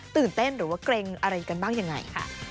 ตื่นเต้นหรือว่าเกรงอะไรกันบ้างยังไงค่ะ